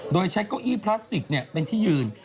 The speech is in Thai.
โดยใช้เก้าอี้พลาสติกเป็นที่ยืน